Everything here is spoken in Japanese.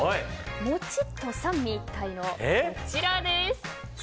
もちっと三位一体の、こちらです。